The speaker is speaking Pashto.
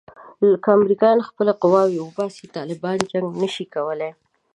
که امریکایان خپلې قواوې وباسي طالبان جنګ نه شي کولای.